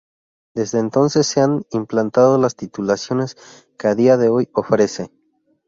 Desde entonces se han implantado las titulaciones que a día de hoy ofrece.